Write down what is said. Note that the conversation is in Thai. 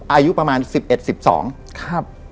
อายุประมาณ๑๑๑๒ครับ